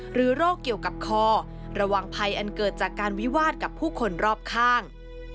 โรคเกี่ยวกับคอระวังภัยอันเกิดจากการวิวาสกับผู้คนรอบข้าง